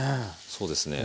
そうですね。